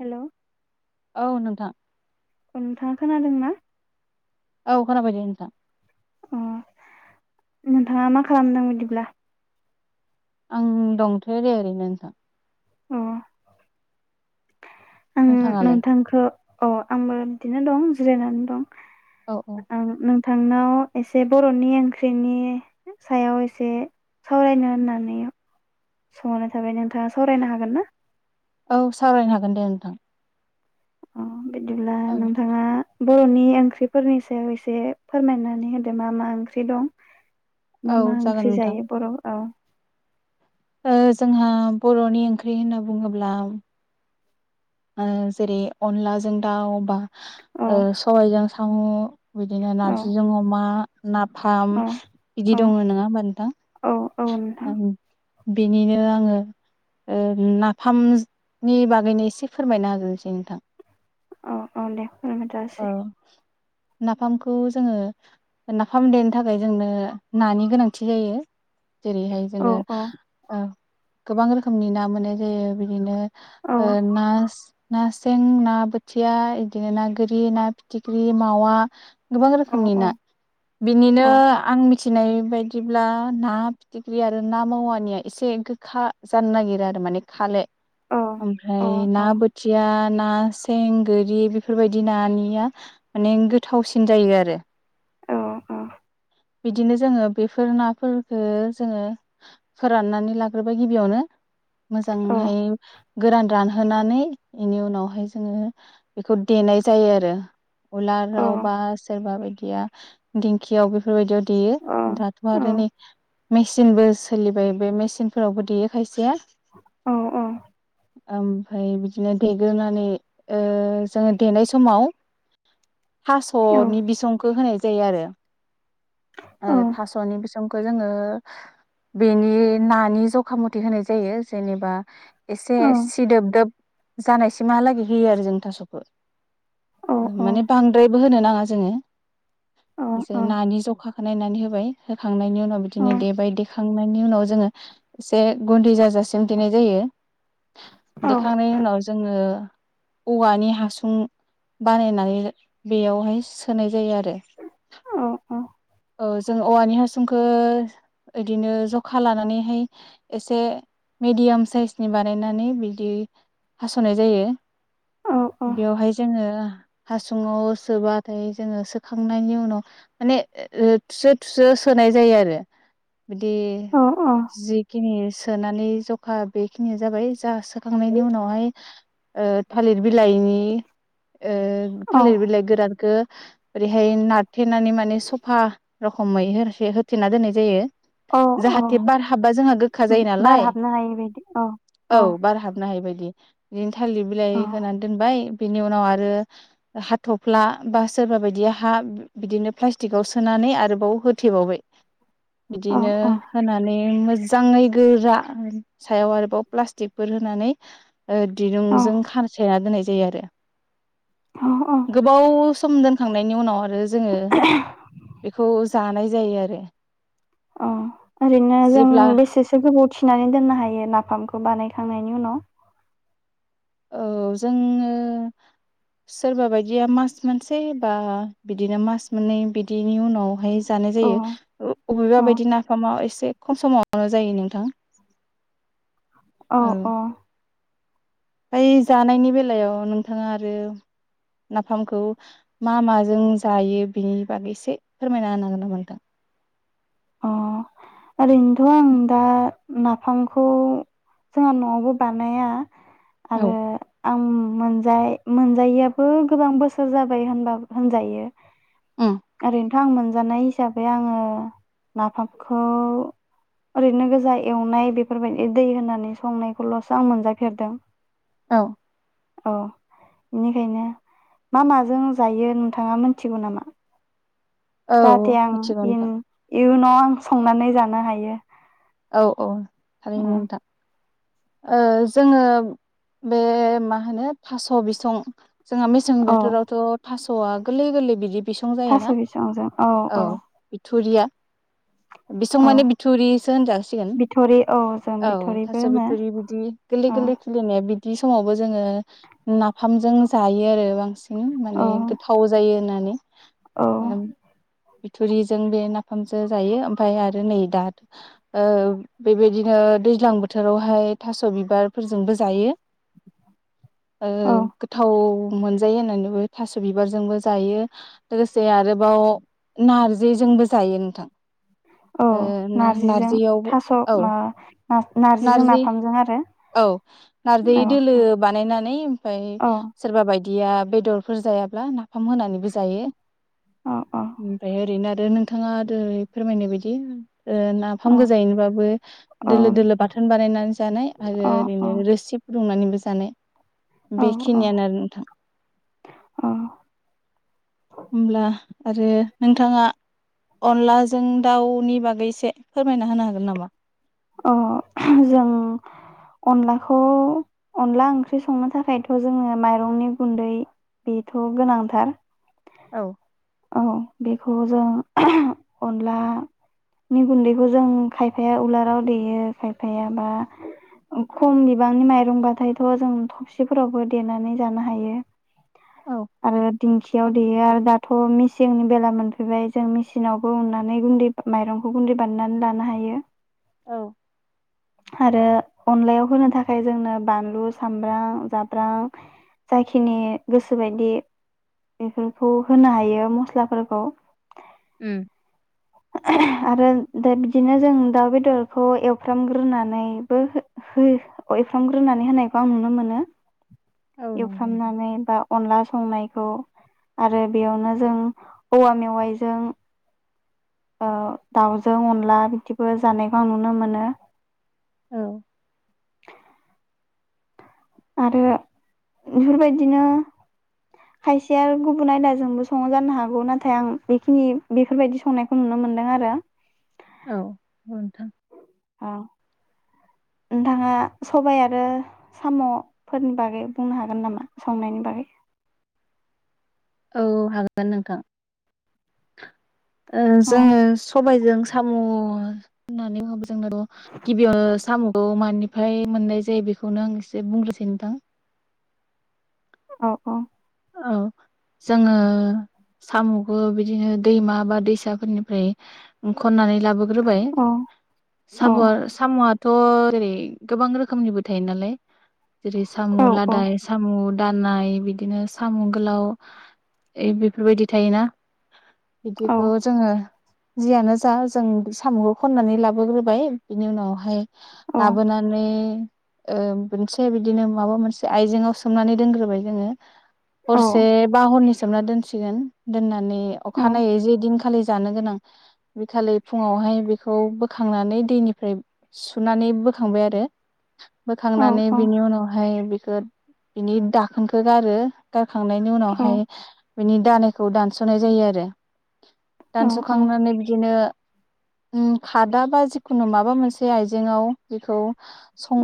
हेल' औ नोंथां नोंथाङा खोनादोंना औ खोनाबाय द नोंथां अ नोंथाङा मा खालामदों बिदिब्ला आं दंथो दे ओरैनो नोंथां अ आं नोंथाङालाय नोंथांखौ अ आंबो बिदिनो दं जिरायनानै दं औ औ आ नो नोंथांनाव एसे बर'नि ओंख्रिनि सायाव एसे सावरायनो होननानै सोंहरनाय थाबाय नोंथाङा सावरायनो हागोन ना? औ सावरायनो हागोन दे नोंथां अह बिदिब्ला औ नोंथाङा बर'नि ओंख्रिफोरनि सायाव एसे फोरमायनानै होदो मा मा ओंख्रि दं मा औ मा जागोन ओंख्रि नोंथां जायो बर' औ जोंहा बर'नि ओंख्रि होनना बुङोब्ला जेरै अनलाजों दाउ बा औ ओ सबाइजों साम' बिदिनो औ नारजिजों अमा नाफाम औ बिदि औ दङ नङा होमबा औ औ नोंथां नोंथां [unintelligible] बेनिनो आङो ओ नाफामनि बागैनो एसे फोरमायना होग्रोसै नोंथां अह अह दे फोरमायना औ होसै नाफामखौ जोङो नाफाम देनो थाखाय जोंनो नानि गोनांथि जायो जेरैहाय औ जोङो औ ओ गोबां रोखोमनि ना मोनो जेरै बिदिनो औ ओ ना ना सें ना बोथिया बिदिनो ना गोद फिख्रि ना फिथिख्रि मावा गोबां रोखोमनि औ ना औ बिनिनो आं मिथि मिथिनाय बायदिब्ला ना फिथिख्रि आरो ना मावानिया एसे गोखा जानो नागिरो आरो माने खाले औ औ ओमफ्राय औ ना बोथिया ना सें गोरि बेफोरबायदि बिदि नानिया माने गोथावसिन जायो आरो औ बिदिनो जोङो बेफोर नाफोरफोरखौ जोङो फोराननानै लाग्रोबाय गिबियावनो औ मोजांहाय गोरान रानहोनानै बेनि उनावहाय जोङो बेखौ देनाय जायो आरो औ उलराव बा सोरबा बायदि दिंखियावबो बेफोरबायदियाव देयो औ दाथ' आरो नै मेचिनबो सोलिबाय बे मेसिनफोरावबो देयो खायसेया औ औ ओमफ्राय बिदिनो देग्रोनानै ओ जोङो देनाय समाव थास'नि बिसंखौ होनाय जायो आरो ओ थास'नि बिस खौ जोङो बेनि नानि ज'खा मथे होनाय जायो जेनेबा एसे सिदोब दोब जानायसिमहालागै होयो आरो जों थास'खौ औ माने बांद्रायबो होनो नाङा जोङो ज नानि ज [unintelligible] अखाखौ [unintelligible] नायनानै होबाय होखांनायनि उनाव उनाव बिदिनो देबाय देखांनायनि उनाव जोङो एसे गुनदै जाजासिम देनाय जायो देखांनायनि उनाव जोङो औवानि हासुं बानायनानै बेयावहाय सोनाय जायो आरो अ औ औ जों औवानि हासुंखौ बिदिनो जखा लानानैहाय एसे मिेडियाम साइसनि बानायनानै बिदि हास'नाय जायो बेवहाय जोङो हासुङाव सोबाथाय जोङो सोखांनायनि उनाव माने थुसो थुसो सोनाय जायो आरो बिदि जिखिनि सोनानै ज'खा बेखिनिया जाबाय जा सोखांनायनि उनावहाय ओ थालिर बिलाइनि ओ थालिर बिलाइ गोरानखौ ओरैहाय नारथेनानै माने सब स'फा रखोमै होसे होथेना दोननाय जायो औ औ जाहाथे बार हाबबा जोंहा गोखा जायो बार नालाय हाबनो हायै बायदि औ औ बार हाबनो हायै बायदि ओम थालिर बिलाइ औ होनानै दोनबाय बिनि उनाव आरो हाथ'फ्ला बा सोरबा बायदिया हा बिदिनो फ्ला- सटिकाव सोनानै आरोबाव होथेबावबाय औ बिदिनो औ होनानै मोजां मोजाङै गोरा सायाव आरोबाव प्लास्टिकफोर होनानै दिरुंजों औ खाथेनानै दोननाय जायो आरो औ गोबाव सम दोनखां- थांनायनि उनाव आरो जोङो बेखौ जानाय जायो आरो औ ओरैनो जों जेब्ला बेसेसो गोबाव थिनानै दोननो हायो नाफामखौ बानाय खांनायनि उनाव औ जोङो सोरबा बायदिया मास मोनसे बा बिदिनो मास मोननै बिदिनि उनावहाय जानाय औ जायो अबेबा औ बायदि नाफामा एसे खम समावनो जायो नों थां औ औ फाय जानायनि बेलायाव नोंथाङा आरो नाफामखौ मा माजों जायो बेनि बागै एसे फोरमायना होनागोन नामा नोंथां? अ ओरैनोथ' आं दा नाफामखौ जोंहा न'आवबो बानाया औ आरो आं मोनजा मोनजायैआाबो गोबां बोसोर जाबाय होनबा होनजायो उम आरो थां मोनजानाय हिसाबै आङो नाफामखौ ओरैनो गोजा एवनाय बेफोरबायदि दै होनानै संनायखौल'सो आं मोनजाफेरदों औ औ बेनिखायनो मा माजों जायो नोंथाङा मिथिगौ नामा? औ जाहाथे आं मिथिगौ इन नोथां इयुनाव आं संनानै जानो हायो। औ औ थारैनो नोंथां ओ जोङो बे मा होनो थास' बिसं जोंहा मेसें औ बोथोरावथ' थास' स'आ गोरलै गोरलै बिदि बिसं थास' जायोना बिसंजों औ औ बिसुं औ माने बिथुरिसो होनजासिगोन बिथरि औ जों औ बिथरिबो थास' बि होनो थोरि बिदि गोरलै औ गोरलै खेलेनाया बि दि समावबो जोङो नाफामजों जायो आरो बांसिन बिदिनो औ माने गोथाव जायो होननानै औ ओम [unintelligible] बिथुरिजों बे नाफामजों जायो ओमफ्राय आरो नै दा ओ बेबायदिनो दैज्लां बोथोराव हाय थास' बिबारफोरजोंबो जायो। ओ औ गोथाव मोनजायो होननानैबो थास' बिबारजोंबो जायो लोगोसे आरोबाव नारजिजोंबो जायो नोंथां औ ओ ना नारजिजों नारजियावबो थास' औ मा नारजिजों नारजि नाफामजों आरो औ नारजि औ दोलो बानायनानै ओमफ्राय औ सोरबा बायदि दिया बेदरफोर जायाब्ला ना फाम होनानैबो जायो औ ओमफ्राय ओरैनो आरो आरो नोंथाङा दहाय फोरमायनाय बायदि ओ नाफाम औ गोजायैनोबाबो औ दोलो दोलो बाथोन बानायनानै जानाय आरो ओरैनो रोसि फुदुंनानैबो जानाय औ बेखिनियानो नोंथां। होमब्ला आरो नोंथाङा अनलाजों दाउनि बागै एसे फोरमायना होनो हागोन नामा? अ जों अनलाखौ अनला ओंख्रि संनो थाखायथ' जोङो माइरंनि गुन्दै बेथ' गोनांथार औ औ बेखौ जों ओह अनलानि गुन्दैखौ जों खायफाया उलाराव देयो खायफायाबा खम बिबांनि माइरंबाथायथ' जों थबसिफोरावबो देनानै जानो हायो औ आरो दिंखियाव देयो आरो दा थ' मेचिकनि बेला मोनफैबाय जों मेचिनावबो उननानै गुन्दै माइरंखौ गुन्दै बानायनानै लानो हायो औ आरो अनलायाव होनो थाखाय जोंनो बानलु सामब्राम जाब्रां जाखिनि गोसोबादि बेफोरखौ होनो हायो मसलाफोरखौ उम ओह आरो दा बिदिनो जों दाउ बेदरखौ एवफ्रामग्रोनानैबो ओ एवफ्रामग्रोनानै होनायखौ आं नुनो मोनो औ नंगौ नोंथां एवफ्रामनानै बा अनला संनाय औ आरो बेयावनो जों औवा मेवाइजों ओ दाउजों अनला बिदिबो जानायखौ आं नुनो मोनो औ आरो बेफोरबादिनो खायसेआ गुबुन आयदाजोंबो सङो जानो हागौ नाथाय आं बेखिनि बेफोरबादि संनायखौ नुनो मोनदों आरो औ नोंथां औ नोंथांआ सबाइ आरो साम'फोरनि बागै बुंनो हागोन नामा संनायनि बागै औ हागोन नोंथां ओ औ जोङो सबायजों साम' होननानै बुङोब्ला जोंनो' गिबिआवनो साम'खौ मानिफ्राय मोननाय जायो बेखौनो आं एसे बुंग्रोसै नोंथां औ औ औ जोङो साम'खौ बिदिनो दैमा बा दैसाफोरनिफाय ख'ननानै लाबोग्रोबाय औ साम' साम'आ थ' जेरै गोबां रोखोमनिबो थायो नालाय जेरै सामु औ लादाय सामुन दाननाय बिदिनो सामु गोलाउ ओ बेफोरबादि थायोना औ बिदिखौ जोङो जियानो जा जों साम'खौ खननानै लाबोग्रोबाय बेनि उनावहाय हो औ लाबोननानै ओ मोनसे बिदिनो माबा मोनसे आयजेआव सोमनानै दोनग्रोबाय जोङो हरसे बा हरनि सोमना दोनसिगोन दोना माने औ अखानायै जि दिनखालि जानो गोनां बिखालि फुआवहाय बेखौ बोखांनानै दैनिफ्राय सुनानै बोखांबाय आरो औ बोखांनानै बिनि उनावहाय बे खो बिनि दाखोनखौ गारो खांनायनि उनावहाय बिनि दानेखौ दानस'नाय जायो आरो औ औ दानस'खांनानै बिदिनो उम खादा बा जिखुनो माबा मोनसे आइजेंआव बेखौ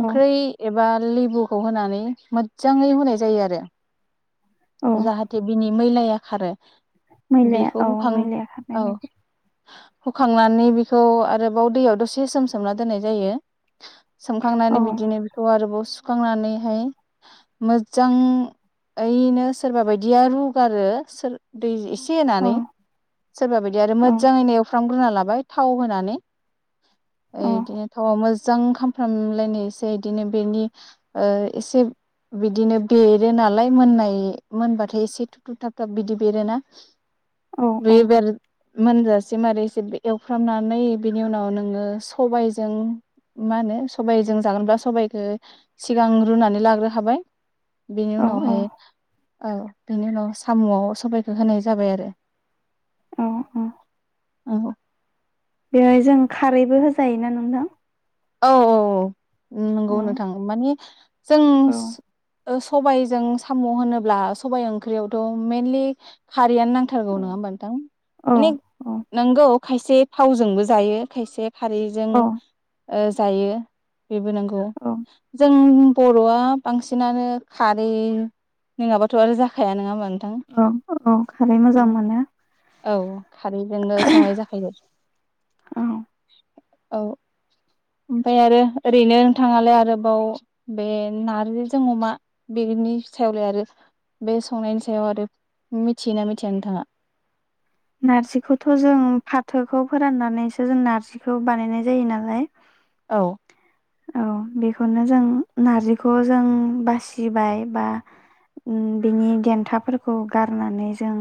औ ए बा लेबुखौ होनानै मोजाङै होनाय जायो आरो औ जाहाथे बिनि मैलाया खारो मैलाया बेखौ औ होखां मैलाया खारनाय औ बायदि हुखांनानै बेखौ आरोबाव दैयाव दसे सोम सोमना दोननाय जायो सोमखांनानै औ बिदिनो बेखौ आरोबाव सु खांनानैहाय मोजां ओइैनो सोरबा बायदिया रुग आरो सोर दै एसे अ होनानै सोरबा बायदि आरो अ मोजाङैनो एवफ्राम रुना लाबाय थाव होनानै अ एदिनो थावा मोजां खामफ्राम लायनाय एसे बेनि एसे बेदिनो बेरो ना नलाय मोननाय मोनबाथाय एसे थु थुब थाब थाब बिदि बेरोना औ औ बै बेर मोनजासे मारैसे एवफ्रामनानै बिनि उनाव नोङो सबाइजों मा होनो सबाइजों जागोनब्ला सबाइखौ सिगां रुनानै लाग्रो हाबाय औ औ औ बेनि उनाव साम'आव सबाइखौ होनाय जाबाय आरो औ औ औ बेहाय जों खारैबो होजायोना नोंथां औ औ नंगौ औ होननो थाङो माने जों औ सबाइजों साम' होनोब्ला सबाइ ओंख्रियावथ' मेनलि खारैयानो नां थारगौ औ नङा होमबा नोंथां माने औ नोंगौ खायसे थावजोंबो जायो खायसे हारिजों ओ जायो बेबो नंगौ औ जों बर'आ बांसिनानो खारै नङाबाथ' आरो जाखाया नङाबा औ औ खारै मोजां मोनो औ खारैजोंनो संनाय जाखायो औ औ ओमफ्राय आरो ओरैनो नोंथाङालाय आरोबाव बे नारजिजों अमा बेनि सायावलाय आरो बे संनायनि सायाव आरो मिथियोना मिथिया नोंथाङा? नारजिखौथ' जों फाथोखौ फोराननानैसो जों नार्जिखौ बानायनाय जायो नालाय औ औ बेखौनो जों नारजिखौ जों बासिबाय बा बिनि देन्थाफोरखौ गारनानै जों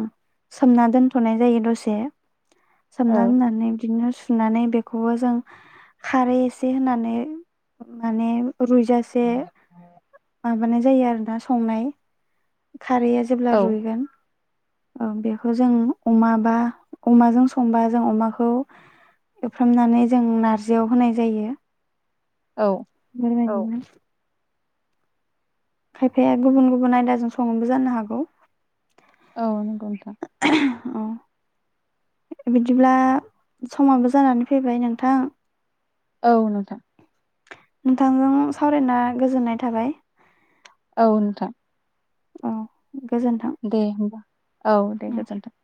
सोमना दोन थनाय जायो दसे औ सोमना दोननानै बिदिनो सुनानै बेखौबो जों खारै एसे होनानै माने रुइजासे माबानाय जायो आरोना संनाय खारैया जेब्ला औ रुइगोन औ बेखौ जों अमा बा अमाजों संबा जों अमाखौ एवफ्रामनानै जों नारजियाव होनाय जायो औ म [unintelligible] [inaudible] खायफाया गुबुन गुबुन आयदाजों सङोबो जानो हागौ औ नंगौ नोंथां औ बिदिब्ला समाबो जानानै फैबाय नोंथां औ नोंथां नोंथांजों सावरायना गोजोननाय थाबाय औ नोंथां औ गोजोन्थों। दे होनबा औ दे गोजोनथों